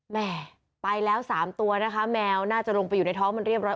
แม่ไปแล้ว๓ตัวนะคะแมวน่าจะลงไปอยู่ในท้องมันเรียบร้อย